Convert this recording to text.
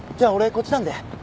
こっちなんで。